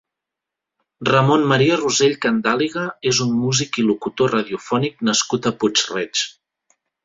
Ramon Maria Rosell Candàliga és un músic i locutor radiofònic nascut a Puig-reig.